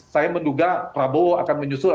saya menduga prabowo akan menyusul